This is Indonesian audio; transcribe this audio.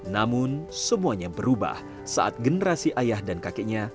namun semuanya berubah saat generasi ayah dan kakeknya